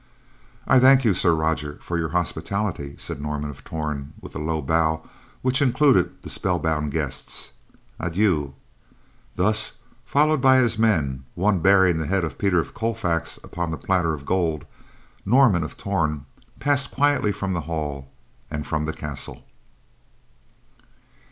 "I thank you, Sir Roger, for your hospitality," said Norman of Torn, with a low bow which included the spellbound guests. "Adieu." Thus followed by his men, one bearing the head of Peter of Colfax upon the platter of gold, Norman of Torn passed quietly from the hall and from the castle.